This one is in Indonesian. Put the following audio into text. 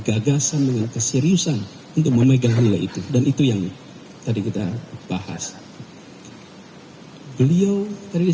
gagasan dengan keseriusan untuk memegang nilai itu dan itu yang tadi kita bahas beliau tadi